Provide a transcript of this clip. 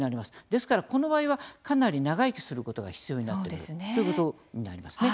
ですから、この場合はかなり長生きすることが必要になってくるということになりますね。